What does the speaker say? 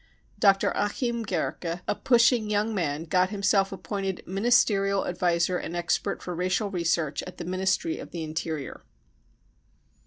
Dr. Achim Gercke, a pushing young man, got himself appointed " Ministerial Adviser and Expert for Racial Research in the Ministry of the Interior."